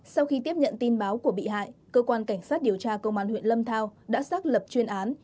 sau khi tiếp nhận tin báo của bị hại cơ quan cảnh sát điều tra công an huyện lâm thao đã xác lập chuyên án